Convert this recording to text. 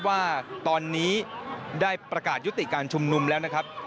ว่าตอนนี้ได้ประกาศยุติการชุมนุมแล้วนะครับ